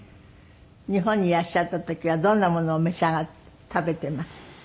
日本にいらっしゃった時はどんなものを召し上がって食べてます？